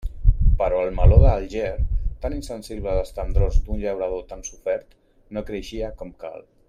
Però el meló d'Alger, tan insensible a les tendrors d'un llaurador tan sofert, no creixia com cal.